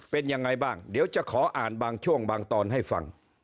เป็นยังไงบ้างเดี๋ยวจะขออ่านบางช่วงบางตอนให้ฟัง